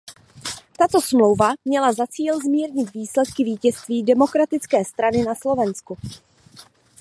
Tato smlouva měla za cíl zmírnit výsledky vítězství Demokratické strany na Slovensku.